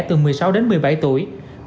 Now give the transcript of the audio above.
từ một mươi sáu đến một mươi bảy tuổi